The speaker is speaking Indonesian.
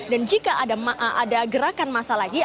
dan jika ada gerakan masa lagi